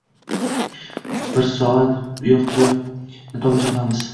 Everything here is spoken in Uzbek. Bir soat uyoq-buyoqni tomosha qilamiz.